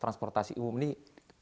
transportasi umum nih